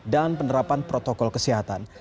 dan penerapan protokol kesehatan